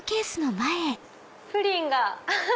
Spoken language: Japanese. プリンが！